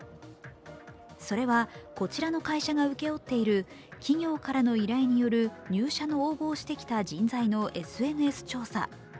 それは、こちらの会社が請け負っている企業からの依頼による入社の応募をしてきた人材のＳＮＳ調査。